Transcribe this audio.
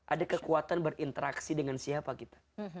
ada kekuatan berinteraksi dengan siapa kita